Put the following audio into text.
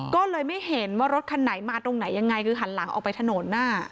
ก็เลยไม่เห็นว่ารถคันไหนมาตรงไหนยังไงคือหันหลังออกไปถนน